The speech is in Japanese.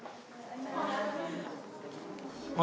あれ？